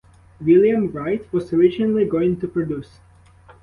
William Wright was originally going to produce.